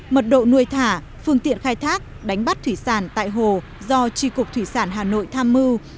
mật độ nuôi thả phương tiện khai thác đánh bắt thủy sản tại hồ do tri cục thủy sản hà nội tham mưu